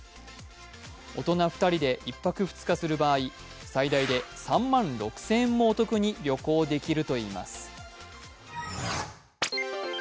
大人２人で一泊二日する場合、最大で３万６０００円もお得に旅行できるといいます。